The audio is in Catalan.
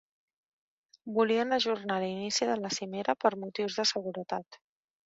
Volien ajornar l'inici de la cimera per motius de seguretat.